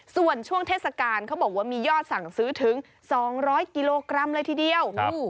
ส่วนช่วงเทศกาลเขาบอกว่ามียอดสั่งซื้อถึง๒๐๐กิโลกรัมเลยทีเดียว